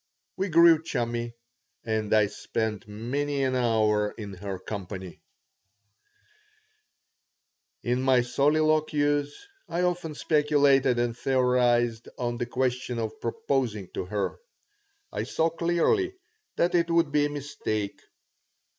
We grew chummy and I spent many an hour in her company In my soliloquies I often speculated and theorized on the question of proposing to her. I saw clearly that it would be a mistake.